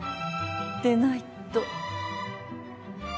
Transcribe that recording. でないと。